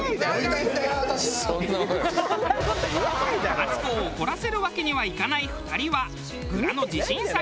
マツコを怒らせるわけにはいかない２人は蔵の自信作